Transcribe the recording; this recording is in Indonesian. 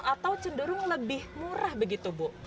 atau cenderung lebih murah begitu bu